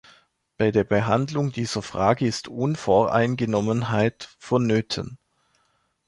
Bei der Behandlung dieser Frage ist Unvoreingenommenheit vonnöten.